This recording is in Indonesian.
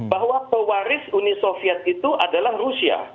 bahwa pewaris uni soviet itu adalah rusia